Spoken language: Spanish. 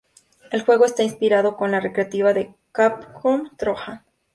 El juego está inspirado en la recreativa de Capcom Trojan.